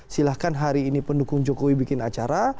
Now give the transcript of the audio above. silahkan hari ini pendukung jokowi bikin acara